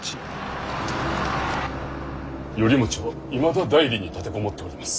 頼茂はいまだ内裏に立て籠もっております。